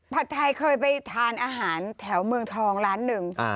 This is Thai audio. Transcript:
ไทยเคยไปทานอาหารแถวเมืองทองร้านหนึ่ง